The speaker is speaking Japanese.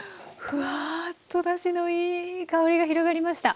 ふわっとだしのいい香りが広がりました。